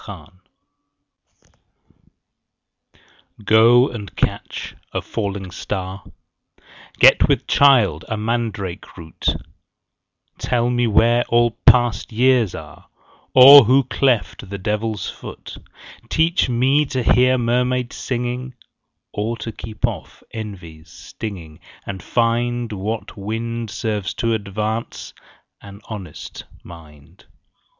Song GO and catch a falling star, Get with child a mandrake root, Tell me where all past years are, Or who cleft the Devil's foot; Teach me to hear mermaids singing, 5 Or to keep off envy's stinging, And find What wind Serves to advance an honest mind.